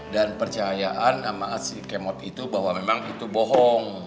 dan percayaan sama si kemot itu bahwa memang itu bohong